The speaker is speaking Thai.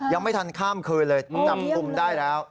ยังไม่ทันข้ามคืนเลยจับกลุ่มได้แล้ว